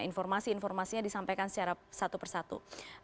informasi informasinya disampaikan secara satu persatu